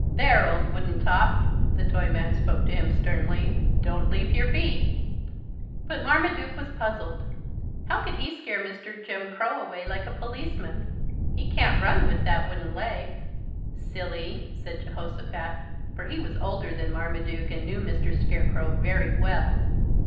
"There, old wooden top," the Toyman spoke to him sternly. "Don't leave your beat." But Marmaduke was puzzled. "How could he scare Mr. Jim Crow away like a policeman? He can't run with that wooden leg." "Silly," said Jehosophat, for he was older than Marmaduke and knew Mr. Scarecrow very well.